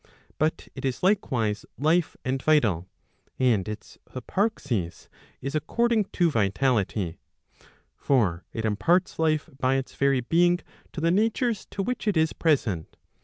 But it is likewise life and vital, and its hyparxis is according to vitality. For it imparts life by its very being to the natures to which it is present.